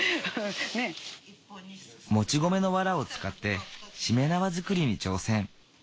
もち米の藁を使ってしめ縄作りに挑戦。